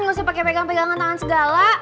nggak usah pakai pegang pegangan tangan segala